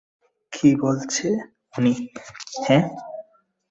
কী বলছে উনি, হ্যাঁ?